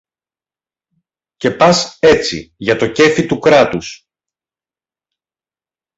Και πας έτσι, για το κέφι του Κράτους